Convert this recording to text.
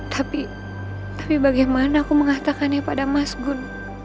tapi tapi bagaimana aku mengatakannya pada mas gun